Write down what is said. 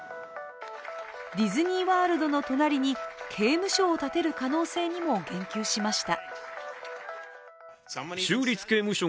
ディズニーワールドの隣に刑務所を建てる可能性にも言及しました。